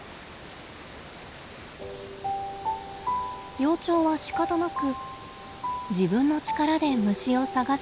幼鳥はしかたなく自分の力で虫を探し始めました。